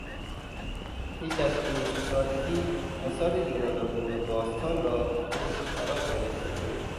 پیش از بیست سالگی آثار یونان و روم باستان را خوب فرا گرفته بود.